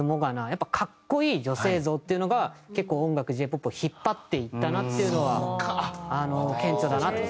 やっぱり格好いい女性像っていうのが結構音楽Ｊ−ＰＯＰを引っ張っていったなっていうのは顕著だなって。